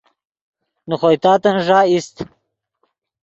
نے خوئے تاتن ݱا ایست